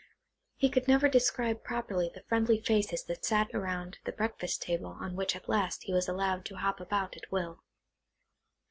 He could never describe properly the friendly faces that sat round the breakfast table on which at last he was allowed to hop about at will.